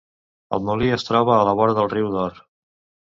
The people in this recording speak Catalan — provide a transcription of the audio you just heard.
El molí es troba a la vora del Riu d'Or.